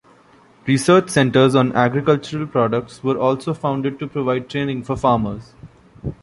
Research centres on agricultural products were also founded to provide training for farmers.